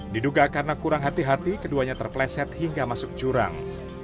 diduga karena kurang hati hati keduanya terpleset hingga masuk jurang